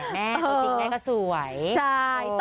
แม่เอาจริงแม่ก็สวย